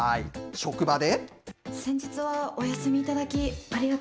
職場で。